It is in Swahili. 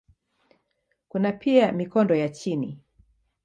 Kuna pia mikondo ya chini.